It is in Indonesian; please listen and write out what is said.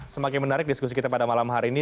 semakin menarik diskusi kita pada malam hari ini